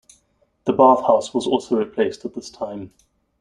The bath house was also replaced at this time.